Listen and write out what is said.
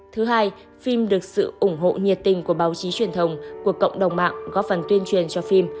thứ hai phim được sự ủng hộ nhiệt tình của báo chí truyền thông của cộng đồng mạng góp phần tuyên truyền cho phim